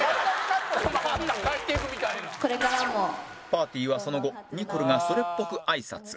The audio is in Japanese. パーティーはその後ニコルがそれっぽくあいさつ